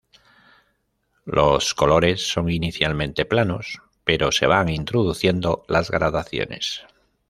Los colores son inicialmente planos, pero se van introduciendo las gradaciones.